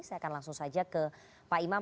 saya akan langsung saja ke pak imam